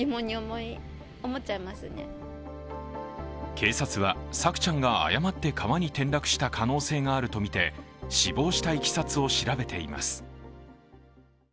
警察は朔ちゃんが誤って川に転落した可能性があるとみて、死亡したいきさつを調べています。